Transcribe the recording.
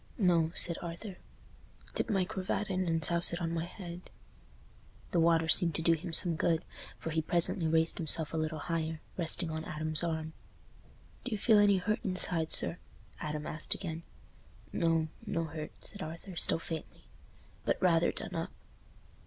"No," said Arthur, "dip my cravat in and souse it on my head." The water seemed to do him some good, for he presently raised himself a little higher, resting on Adam's arm. "Do you feel any hurt inside sir?" Adam asked again "No—no hurt," said Arthur, still faintly, "but rather done up."